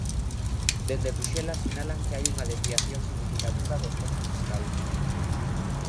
Dende Bruxelas sinalan que hai unha desviación significativa do esforzo fiscal.